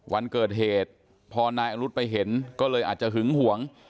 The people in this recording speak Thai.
วันเกิดเหตุพอนายอรุธไปเห็นก็เลยอาจจะหึงหวง